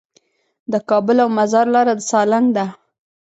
د کابل او مزار لاره د سالنګ ده